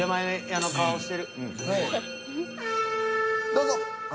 どうぞ。